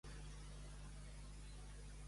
Avui rojor, demà calor.